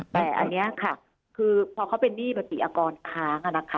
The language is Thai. แต่อันนี้ค่ะคือพอเขาเป็นหนี้ปฏิอากรค้าง